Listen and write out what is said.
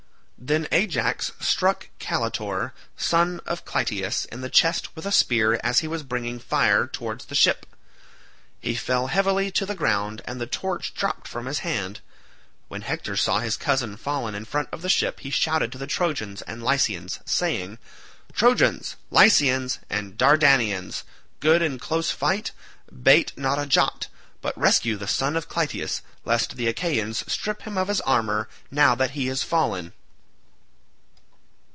Then Ajax struck Caletor son of Clytius in the chest with a spear as he was bringing fire towards the ship. He fell heavily to the ground and the torch dropped from his hand. When Hector saw his cousin fallen in front of the ship he shouted to the Trojans and Lycians saying, "Trojans, Lycians, and Dardanians good in close fight, bate not a jot, but rescue the son of Clytius lest the Achaeans strip him of his armour now that he has fallen."